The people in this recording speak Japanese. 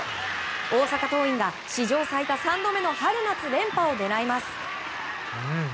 大阪桐蔭が史上最多３度目の春夏連覇を狙います。